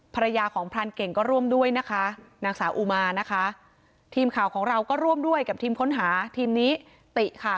ภรรยาของพรานเก่งก็ร่วมด้วยนะคะนางสาวอุมานะคะทีมข่าวของเราก็ร่วมด้วยกับทีมค้นหาทีมนี้ติค่ะ